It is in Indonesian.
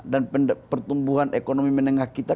dan pertumbuhan ekonomi menengah kita